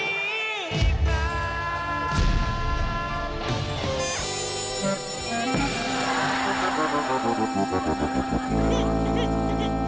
อีกหน้านน้อง